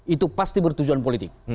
itu pasti bertujuan politik